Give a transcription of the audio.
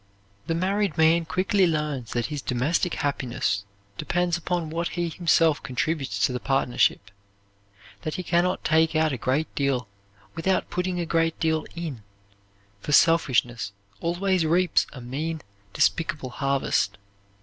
The married man quickly learns that his domestic happiness depends upon what he himself contributes to the partnership, that he can not take out a great deal without putting a great deal in, for selfishness always reaps a mean, despicable harvest.